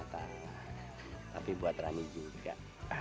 tapi buat rani juga